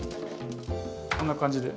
こんな感じで。